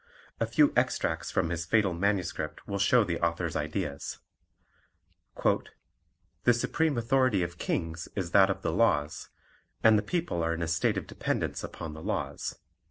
A few extracts from his fatal MS. will show the author's ideas: "The supreme authority of kings is that of the laws, and the people are in a state of dependence upon the laws."